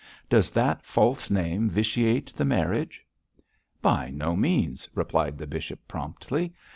Does that false name vitiate the marriage?' 'By no means,' replied the bishop, promptly.